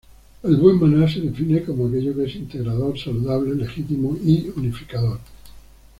El buen mana se define como aquello que es integrador, saludable, legítimo y unificador.